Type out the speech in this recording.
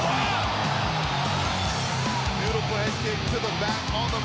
หน้าสะมึงที่ข้างหลังตรงนี้